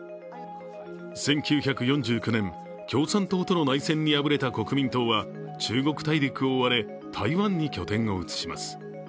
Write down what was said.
１９４９年、共産党との内戦に敗れた国民党は中国大陸を追われ、台湾に拠点を移します。